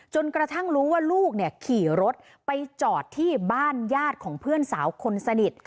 จนกระทั่งรู้ว่าลูกขี่รถไปจอดที่บ้านญาติของเพื่อนสาวคนสนิท